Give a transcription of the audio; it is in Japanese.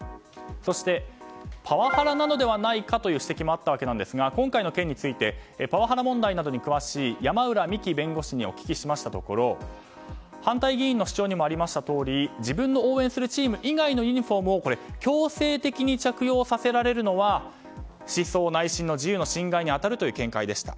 そして、パワハラなのではないかという指摘もあったわけですが今回の件についてパワハラ問題などに詳しい山浦美紀弁護士にお聞きしましたところ反対議員の主張にもありましたとおり自分の応援するチーム以外のユニホームを強制的に着用させられるのは思想・内心の自由の侵害に当たるという見解でした。